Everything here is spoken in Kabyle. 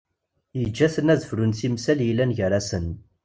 Yeǧǧa-ten ad frun timsal yellan gar-asen.